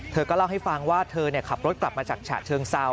เธอก็เล่าให้ฟังว่าเธอขับรถกลับมาจากฉะเชิงเซา